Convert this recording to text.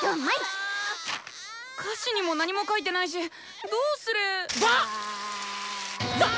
歌詞にも何も書いてないしどうすればッ